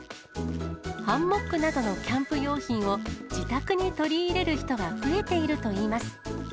ハンモックなどのキャンプ用品を自宅に取り入れる人が増えているといいます。